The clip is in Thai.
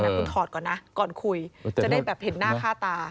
แต่คุณถอดก่อนนะก่อนคุยจะได้แบบเห็นหน้าค่าตา